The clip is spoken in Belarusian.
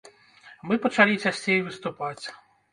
Мы пачалі часцей выступаць.